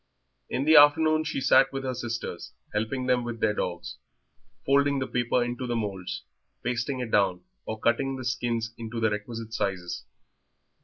In the afternoon she sat with her sisters, helping them with their dogs, folding the paper into the moulds, pasting it down, or cutting the skins into the requisite sizes.